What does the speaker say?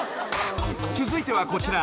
［続いてはこちら。